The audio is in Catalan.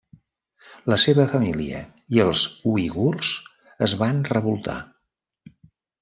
La seva família i els uigurs es van revoltar.